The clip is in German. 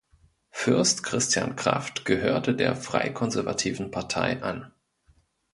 Fürst Christian Kraft gehörte der Freikonservativen Partei an.